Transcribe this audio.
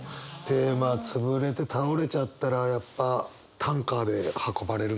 まあ潰れて倒れちゃったらやっぱタンカーで運ばれるんでしょうね。